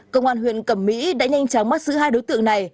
công an huyện cẩm mỹ đã nhanh chóng bắt giữ hai đối tượng này